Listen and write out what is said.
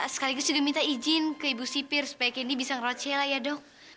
sekaligus juga minta izin ke ibu sipir supaya kendi bisa ngerochella ya dok